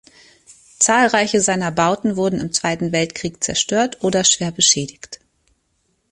Zahlreiche seiner Bauten wurden im Zweiten Weltkrieg zerstört oder schwer beschädigt.